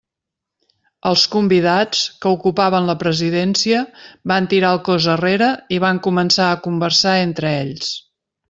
Els convidats, que ocupaven la presidència, van tirar el cos arrere i van començar a conversar entre ells.